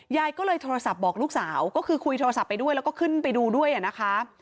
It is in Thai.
ยายก็เลยโทรศัพท์บอกลูกสาวก็คือคุยโทรศัพท์ไปด้วยแล้วก็ขึ้นไปดูด้วยนะคะ